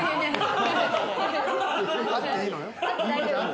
あっていいのよ。